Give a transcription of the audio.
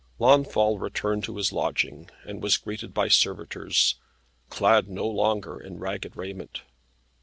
Launfal returned to his lodging, and was greeted by servitors, clad no longer in ragged raiment.